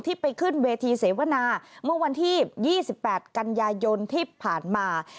ไปขึ้นเวทีเสวนาเมื่อวันที่๒๘กันยายนที่ผ่านมา